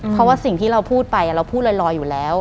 เพราะว่าสิ่งที่เราพูดไปเราพูดลอยอยู่แล้ว